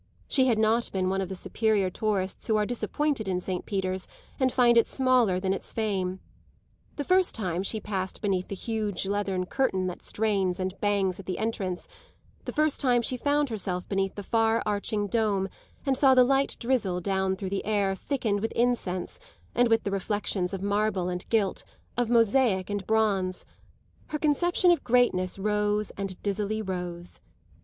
She had not been one of the superior tourists who are "disappointed" in Saint Peter's and find it smaller than its fame; the first time she passed beneath the huge leathern curtain that strains and bangs at the entrance, the first time she found herself beneath the far arching dome and saw the light drizzle down through the air thickened with incense and with the reflections of marble and gilt, of mosaic and bronze, her conception of greatness rose and dizzily rose.